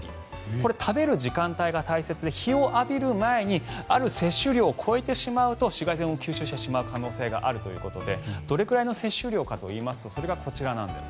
これ、食べる時間帯が大切で日を浴びる前にある摂取量を超えてしまうと紫外線を吸収してしまう可能性があるということでどれくらいの摂取量かといいますとそれがこちらなんです。